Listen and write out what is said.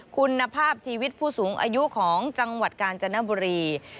คุณภาพชีวิตผู้สูงอายุของจังหวัดกาญจนบุรี